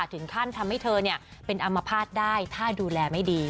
ถึงขั้นทำให้เธอเป็นอัมพาตได้ถ้าดูแลไม่ดี